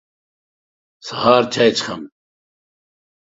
سهار چاي څښم.